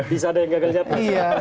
bisa ada yang gagal siapa